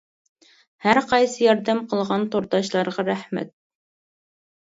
ھەر قايسى ياردەم قىلغان تورداشلارغا رەھمەت.